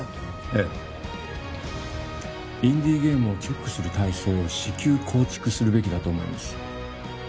ええインディーゲームをチェックする体制を至急構築するべきだと思います